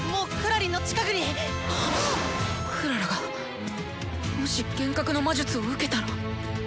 クララがもし幻覚の魔術を受けたら。